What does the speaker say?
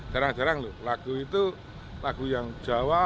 jarang jarang loh lagu itu lagu yang jawa